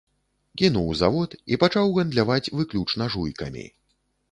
Кінуў завод і пачаў гандляваць выключна жуйкамі.